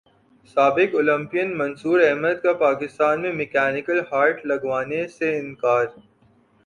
سابق اولمپئن منصوراحمد کا پاکستان میں مکینیکل ہارٹ لگوانے سے انکار